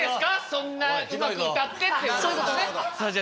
そんなうまく歌って」っていうことですね。